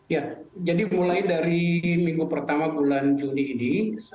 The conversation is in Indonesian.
ya jadi mulai dari minggu pertama bulan juni ini